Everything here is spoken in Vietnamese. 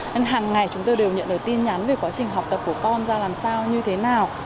nên hàng ngày chúng tôi đều nhận được tin nhắn về quá trình học tập của con ra làm sao như thế nào